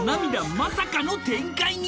まさかの展開に